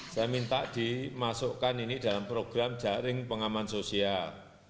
saya minta dimasukkan ini dalam program jaring pengaman sosial